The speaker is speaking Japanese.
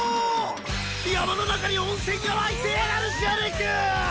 山の中に温泉が湧いてやがるじゃねぇか！